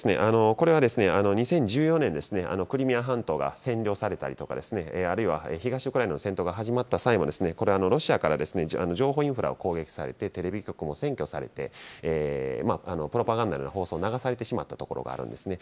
これはですね、２０１４年、クリミア半島が占領されたりとか、あるいは東ウクライナの戦闘が始まった際も、これロシアから情報インフラを攻撃されて、テレビ局も占拠されて、プロパガンダの放送を流されてしまったところがあるんですね。